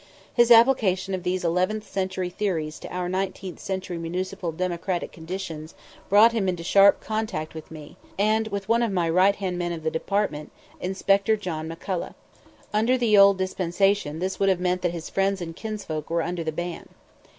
His application of these eleventh century theories to our nineteenth century municipal democratic conditions brought him into sharp contact with me, and with one of my right hand men in the Department, Inspector John McCullough. Under the old dispensation this would have meant that his friends and kinsfolk were under the ban.